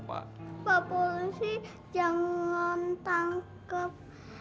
pak polisi jangan tangkap